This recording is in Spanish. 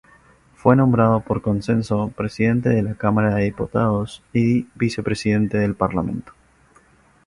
Fue nombrado por consenso presidente de la Cámara de Diputados y Vicepresidente del Parlamento.